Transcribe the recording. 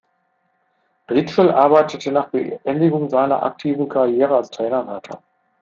Ritschel arbeitete nach Beendigung seiner aktiven Karriere als Trainer weiter.